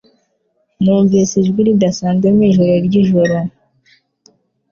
Numvise ijwi ridasanzwe mwijoro ryijoro.